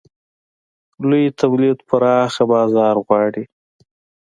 لوی تولید پراخه بازار غواړي.